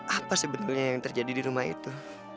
apa sebetulnya yang terjadi di rumah itu